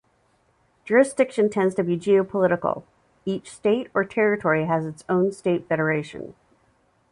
Jurisdiction tends to be geo-political: Each state or territory has its own state federation.